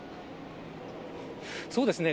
そうですね。